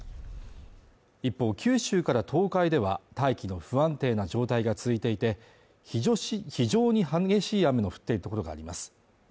一方、九州から東海では大気の不安定な状態が続いていて非常に激しい雨の降っている所があります